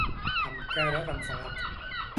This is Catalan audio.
Amb cara d'enfadat.